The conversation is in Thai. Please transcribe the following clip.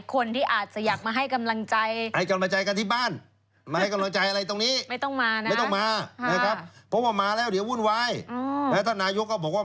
คือจะมีหลายคนที่อาจจะอยากมาให้กำลังใจ